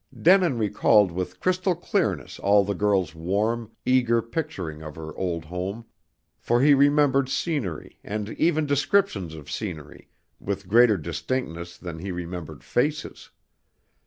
Denin recalled with crystal clearness all the girl's warm, eager picturing of her old home, for he remembered scenery and even descriptions of scenery with greater distinctness than he remembered faces.